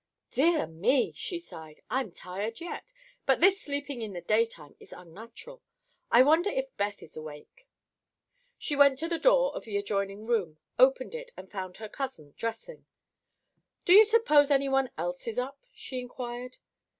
"Dear me!" she sighed, "I'm tired yet, but this sleeping in the daytime is unnatural. I wonder if Beth is awake." She went to the door of the adjoining room, opened it and found her cousin dressing. "Do you suppose anyone else is up?" she inquired.